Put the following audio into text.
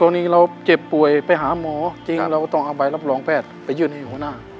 ตอนนี้เราเจ็บป่วยไปหาหมอจริงเราก็ต้องเอาใบรับรองแพทย์ไปยื่นให้หัวหน้า